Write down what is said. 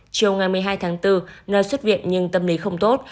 chiều ngày một mươi hai tháng bốn nơi xuất viện nhưng tâm lý không tốt